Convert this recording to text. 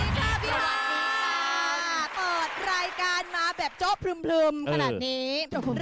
เปิดรายการมาแบบโจ๊กพลึมขนาดนี้